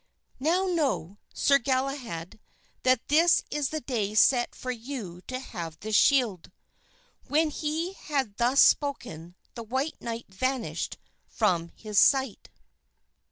"Now know, Sir Galahad, that this is the day set for you to have this shield." When he had thus spoken the white knight vanished from his sight.